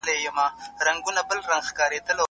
دښمن داسې ووهه چي بیا ځان را ټول نه کړي.